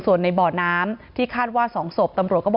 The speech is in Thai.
ส่วนในบ่อน้ำที่คาดว่า๒สม